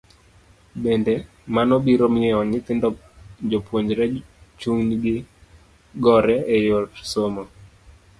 Bende, mano biro miyo nyithindo jopuonjre chunygi gore e yor somo.